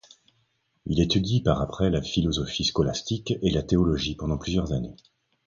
Il étudie par après la philosophie scolastique et la théologie pendant plusieurs années.